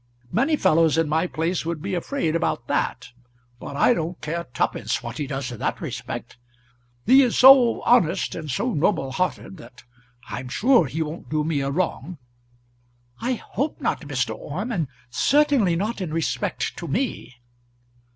Many fellows in my place would be afraid about that, but I don't care twopence what he does in that respect. He is so honest and so noble hearted, that I am sure he won't do me a wrong." "I hope not, Mr. Orme; and certainly not in respect to me."